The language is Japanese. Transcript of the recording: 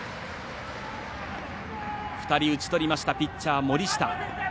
２人、打ちとりましたピッチャー、森下。